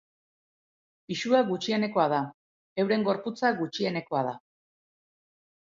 Pisua gutxienekoa da, euren gorputza gutxienekoa da.